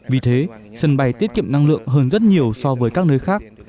vì thế sân bay tiết kiệm năng lượng hơn rất nhiều so với các nơi khác